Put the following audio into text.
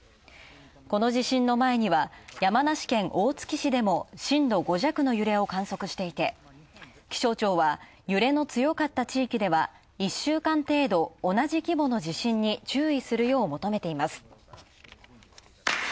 この地震の前には山梨県大月市でも震度５弱の揺れを観測していて気象庁は揺れの強かった地域では１週間程度、同じ規模の地震に注意するよう求めています。